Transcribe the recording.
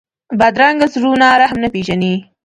بدرنګه زړونه رحم نه پېژني